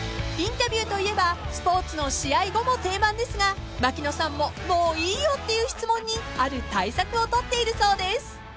［インタビューといえばスポーツの試合後も定番ですが槙野さんももういいよっていう質問にある対策をとっているそうです］